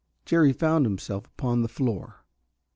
Jerry found himself upon the floor.